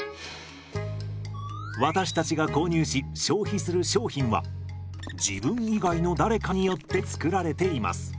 私たちが購入し消費する商品は自分以外の誰かによって作られています。